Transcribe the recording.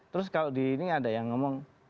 terus kalau di ini ada yang ngomong